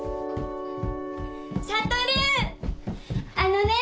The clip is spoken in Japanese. あのね！